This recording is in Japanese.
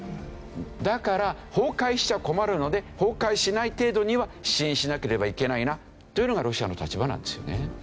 だから崩壊しちゃ困るので崩壊しない程度には支援しなければいけないなというのがロシアの立場なんですよね。